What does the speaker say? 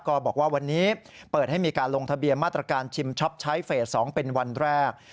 ก็บอกว่าวันนี้เปิดให้มีการลงทะเบียนมาตรการชิมช็อปใช้เฟส๒เป็นวันแรก